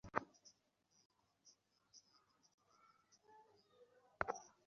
বিশ্বের যেসব প্রতিষ্ঠান গোপনীয়তা রক্ষার জন্য বিখ্যাত, মোসাক ফনসেকা সেগুলোর একটি।